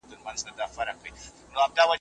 غواړم یوازي در واري سمه جانان یوسفه